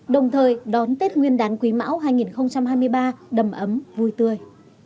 đồng thời đón tết nguyên đán quý mão hai nghìn hai mươi ba đầm ấm vui tươi